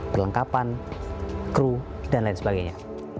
perlengkapan kru dan lain sebagainya